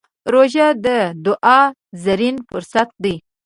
روژه د دعا زرين فرصت دی.